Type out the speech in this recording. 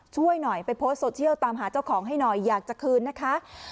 ช่วยหน่อยไปโพสต์โซเชียลตามหาเจ้าของให้หน่อยอยากจะคืนนะคะ